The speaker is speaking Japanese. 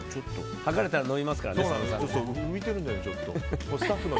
剥がれたら飲みますからね佐野さん。